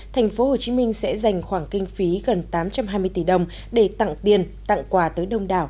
tp hcm sẽ dành khoảng kinh phí gần tám trăm hai mươi tỷ đồng để tặng tiền tặng quà tới đông đảo